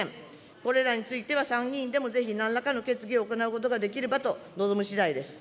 これらについては、参議院でもぜひなんらかの決議を行うことができればと望むしだいです。